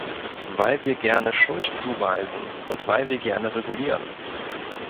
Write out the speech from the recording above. Weil wir gerne Schuld zuweisen und weil wir gerne regulieren.